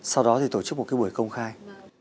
sau đó thì tổ chức một cái buổi công khai